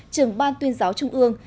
trường ban tuyên giáo trung ương